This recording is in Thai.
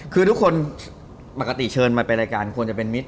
คือทุกคนปกติเชิญมาไปรายการควรจะเป็นมิตร